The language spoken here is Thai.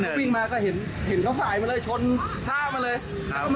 เขาวิ่งมาก็เห็นเขาสายมาเลยชนท่ามาเลย